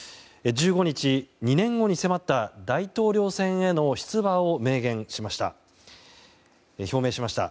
１５日、２年後に迫った大統領選への出馬を表明しました。